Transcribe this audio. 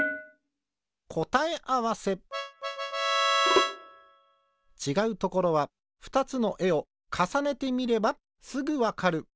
こたえあわせちがうところはふたつのえをかさねてみればすぐわかる。